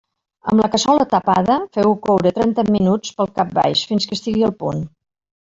Amb la cassola tapada, feu-ho coure trenta minuts pel cap baix fins que estigui al punt.